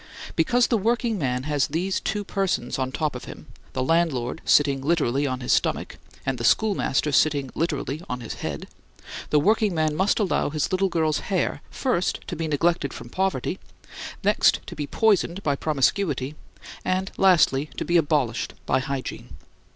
Because the workingman has these two persons on top of him, the landlord sitting (literally) on his stomach, and the schoolmaster sitting (literally) on his head, the workingman must allow his little girl's hair, first to be neglected from poverty, next to be poisoned by promiscuity, and, lastly, to be abolished by hygiene.